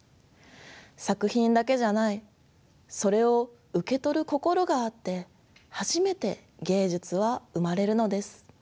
作品だけじゃないそれを受け取る心があって初めて「芸術」は生まれるのです。